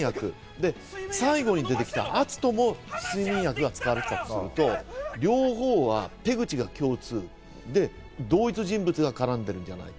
で、最後に出てきた篤斗も睡眠薬が使われていたとすると、両方は手口が共通で同一人物が絡んでいるんじゃないか。